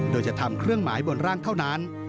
โดยจะทำเครื่องหมายบนร่างเท่านั้น